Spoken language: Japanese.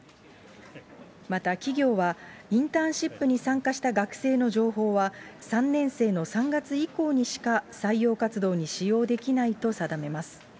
また企業はインターンシップに参加した学生の情報は、３年生の３月以降にしか採用活動に使用できないと定めます。